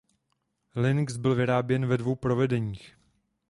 Lynx byl vyráběn ve dvou provedeních.